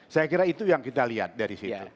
saya kira itu yang kita lihat dari situ